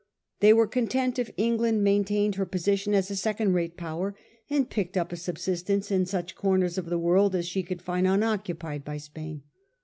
They were content if England maintained her position as a second rate power, and picked up a subsistence in such comers of the earth as she could find unoccupied by Spain.